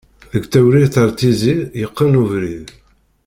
Deg tewrirt ar tizi, yeqqen ubrid.